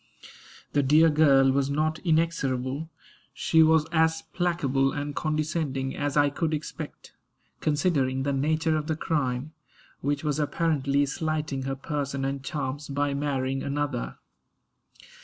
The dear girl was not inexorable; she was as placable and condescending as I could expect, considering the nature of the crime, which was apparently slighting her person and charms by marrying another.